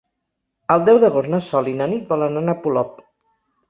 El deu d'agost na Sol i na Nit volen anar a Polop.